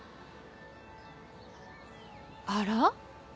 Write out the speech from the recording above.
あら？